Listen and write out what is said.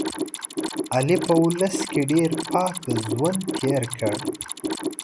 علي په اولس کې ډېر پاک ژوند تېر کړ.